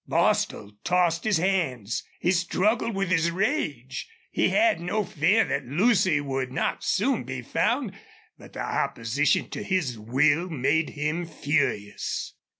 Bostil tossed his hands. He struggled with his rage. He had no fear that Lucy would not soon be found. But the opposition to his will made him furious.